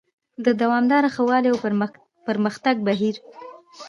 د دوامداره ښه والي او پرمختګ بهیر: